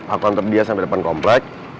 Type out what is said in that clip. aku ntar dia sampe depan kompleks